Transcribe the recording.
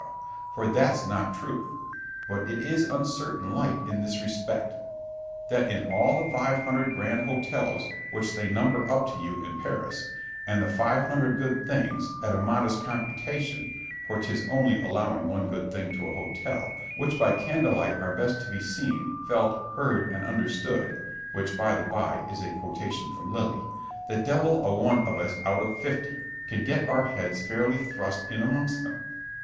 for that's not truth—but it is an uncertain light in this respect, That in all the five hundred grand Hôtels, which they number up to you in Paris—and the five hundred good things, at a modest computation (for 'tis only allowing one good thing to a Hôtel), which by candle light are best to be seen, felt, heard, and understood (which, by the bye, is a quotation from Lilly)——the devil a one of us out of fifty, can get our heads fairly thrust in amongst them.